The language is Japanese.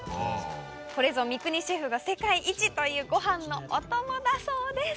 これぞ三國シェフが世界一と言うご飯のお供だそうです。